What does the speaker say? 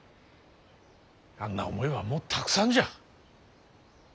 あんな思いはもうたくさんじゃ。